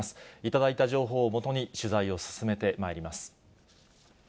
頂いた情報を基に取材を進めてまいります。